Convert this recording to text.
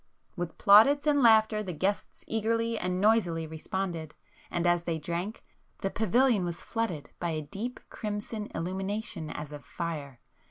With plaudits and laughter the guests eagerly and noisily responded,—and as they drank, the pavilion was flooded by a deep crimson illumination as of fire.